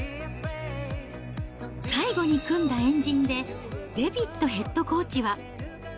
最後に組んだ円陣で、デビットヘッドコーチは。